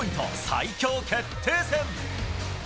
最強決定戦。